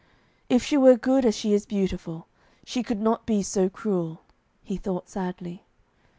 'If she were good as she is beautiful, she could not be so cruel,' he thought sadly.